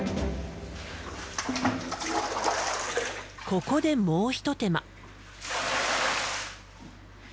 ここでもう一手間。